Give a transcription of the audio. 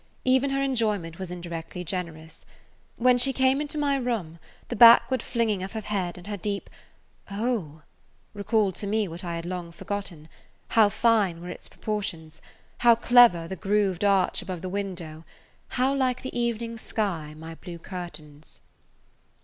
Even her enjoyment was indirectly generous. When she came into my room the backward flinging of her head and her deep "Oh!" recalled to me what I had long forgotten, how fine were its proportions, how clever the grooved arch above the window, how like the evening sky my blue curtains.